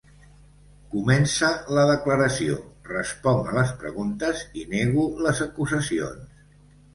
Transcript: Comença la declaració, responc a les preguntes i nego les acusacions.